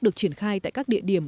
được triển khai tại các địa điểm